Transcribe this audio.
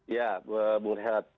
ya bu herhat